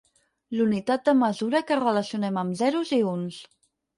L'unitat de mesura que relacionem amb zeros i uns.